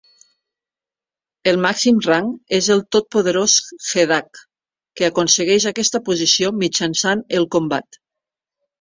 El màxim rang és el tot poderós Jeddak, que aconsegueix aquesta posició mitjançant el combat.